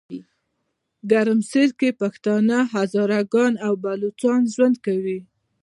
ګرمسیرکې پښتانه، هزاره ګان او بلوچان ژوند کوي.